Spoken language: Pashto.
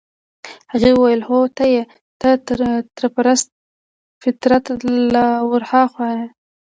هغې وویل: هو ته يې، ته تر پست فطرته لا ورهاخوا يې.